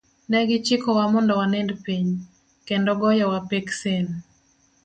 Ne gichikowa mondo wanind piny, kendo goyowa peksen.